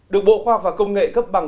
được bộ khoa học và công nghệ cấp bằng